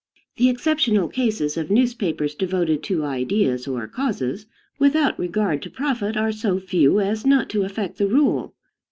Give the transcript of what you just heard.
The exceptional cases of newspapers devoted to ideas or "causes" without regard to profit are so few as not to affect the rule.